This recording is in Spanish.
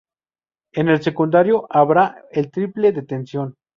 En el secundario habrá el triple de tensión.